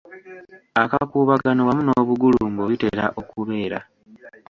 Akakuubagano wamu n’obugulumbo bitera okubeera.